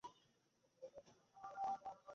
তাই নতুন করে অফিস সময়ের জন্য প্রস্তাব করা হচ্ছে।